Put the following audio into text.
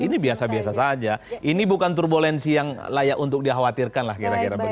ini biasa biasa saja ini bukan turbulensi yang layak untuk dikhawatirkan lah kira kira begitu